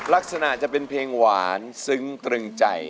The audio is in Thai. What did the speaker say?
ลักษณะจะเป็นเพลงหวานซึ้งตรึงใจ